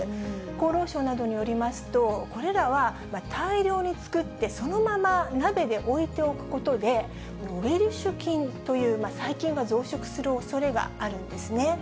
厚労省などによりますと、これらは大量に作ってそのまま鍋で置いておくことで、ウェルシュ菌という細菌が増殖するおそれがあるんですね。